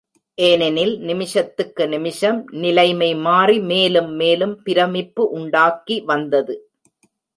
ஏனெனில் நிமிஷத்துக்கு நிமிஷம் நிலைமை மாறி மேலும் மேலும் பிரமிப்பு உண்டாக்கி வந்தது.